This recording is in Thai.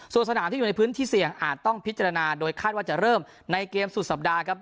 ส่วนสนามที่อยู่ในพื้นที่เสี่ยงอาจต้องพิจารณาโดยคาดว่าจะเริ่มในเกมสุดสัปดาห์ครับ